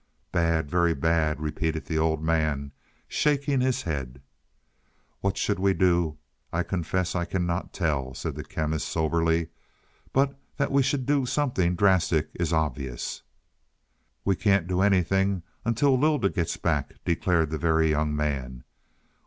"Bad; very bad," repeated the old man, shaking his head. "What we should do I confess I cannot tell," said the Chemist soberly. "But that we should do something drastic is obvious." "We can't do anything until Lylda gets back," declared the Very Young Man.